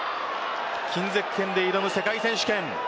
金ゼッケンで挑む世界選手権。